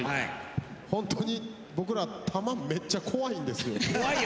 ほんとに僕ら球めっちゃ怖いんですよ。